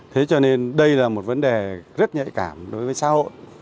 thế cho nên đây là một vấn đề rất nhạy cảm đối với xã hội